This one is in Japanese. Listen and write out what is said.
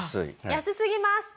安すぎます。